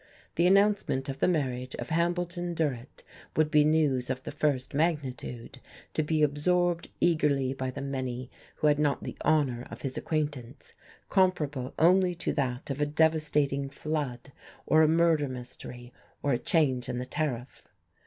The announcement of the marriage of Hambleton Durrett would be news of the first magnitude, to be absorbed eagerly by the many who had not the honour of his acquaintance, comparable only to that of a devastating flood or a murder mystery or a change in the tariff.